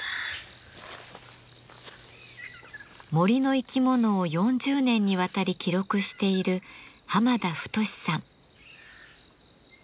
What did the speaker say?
森の生き物を４０年にわたり記録している浜田太さん。